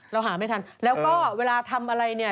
เราหาไม่ทันแล้วก็เวลาทำอะไรเนี่ย